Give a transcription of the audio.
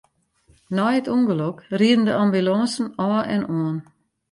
Nei it ûngelok rieden de ambulânsen ôf en oan.